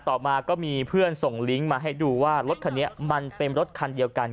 ต่อมาก็มีเพื่อนส่งลิงก์มาให้ดูว่ารถคันนี้มันเป็นรถคันเดียวกัน